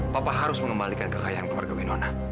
papa harus mengembalikan kekayaan keluarga winona